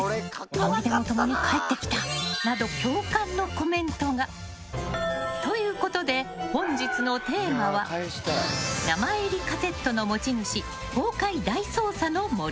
思い出も共に返ってきたなど共感のコメントが。ということで本日のテーマは名前入りカセットの持ち主公開大捜査の森。